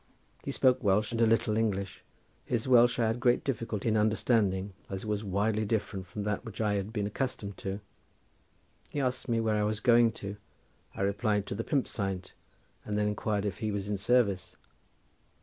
He spoke Welsh and a little English. His Welsh I had great difficulty in understanding, as it was widely different from that which I had been accustomed to. He asked me where I was going to; I replied to the "Pump Saint," and then inquired if he was in service.